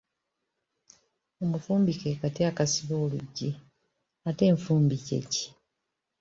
Omufumbi ke kati akasiba oluggi, ate enfumbi kye ki?